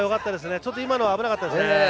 ちょっと今のは危なかったです。